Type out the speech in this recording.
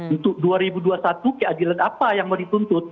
untuk dua ribu dua puluh satu keadilan apa yang mau dituntut